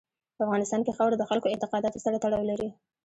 په افغانستان کې خاوره د خلکو اعتقاداتو سره تړاو لري.